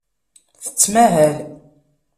Tettmahal.